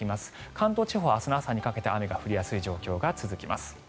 関東地方は明日の朝にかけて雨が降りやすい状況が続きます。